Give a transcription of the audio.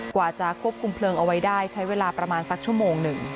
กว่าจะควบคุมเพลิงเอาไว้ได้ใช้เวลาประมาณสักชั่วโมงหนึ่ง